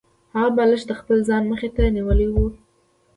هغه بالښت د خپل ځان مخې ته نیولی و